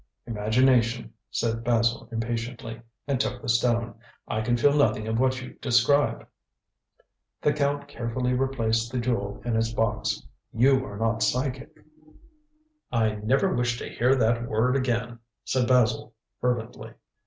"Imagination," said Basil impatiently, and took the stone. "I can feel nothing of what you describe." The Count carefully replaced the Jewel in its box. "You are not psychic." "I never wish to hear that word again," said Basil fervently.